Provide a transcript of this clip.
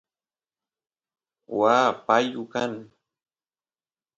waa payu kan